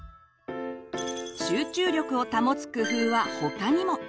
集中力を保つ工夫は他にも。